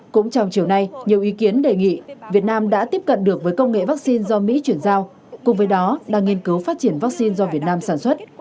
cũng trong chiều nay nhiều ý kiến đề nghị việt nam đã tiếp cận được với công nghệ vaccine do mỹ chuyển giao cùng với đó là nghiên cứu phát triển vaccine do việt nam sản xuất